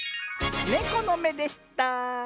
ネコのめでした。